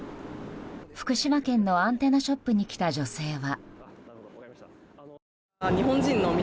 福島県のアンテナショップに来た女性は。